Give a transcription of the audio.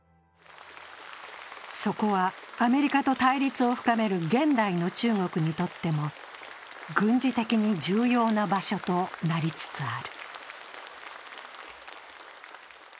そこはアメリカと対立を深める現代の中国にとっても軍事的に重要な場所となりつつある。